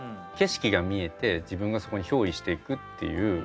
景色が見えて自分がそこにひょう依していくっていう。